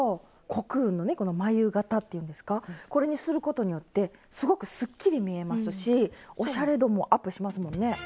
コクーンのねこの繭形っていうんですかこれにすることによってすごくすっきり見えますしおしゃれ度もアップしますもんね。